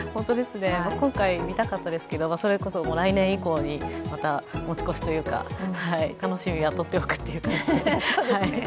今回、見たかったですけど、それこそ来年以降にまた持ち越しというか、楽しみはとっておくという感じですね。